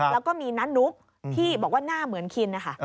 แล้วก็มีน้านุ๊กที่บอกว่าหน้าเหมือนคินนะคะ